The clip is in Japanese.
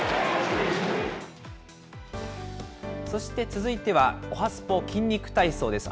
そして続いてはおはＳＰＯ筋肉体操です。